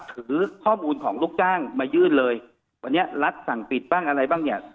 ถือข้อมูลของลูกจ้างมายื่นเลยวันนี้รัฐสั่งปิดบ้างอะไรบ้างเนี่ย